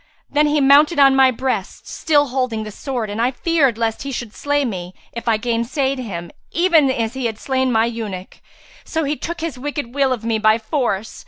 Then he mounted on my breast, still holding the sword, and I feared lest he should slay me, if I gainsaid him, even as he had slain my eunuch; so he took his wicked will of me by force.